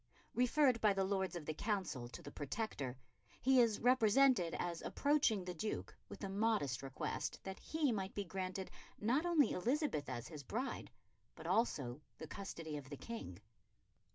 Referred by the Lords of the Council to the Protector, he is represented as approaching the Duke with the modest request that he might be granted not only Elizabeth as his bride, but also the custody of the King.